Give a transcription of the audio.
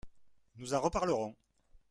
Nous en reparlerons.